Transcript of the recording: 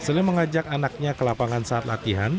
selain mengajak anaknya ke lapangan saat latihan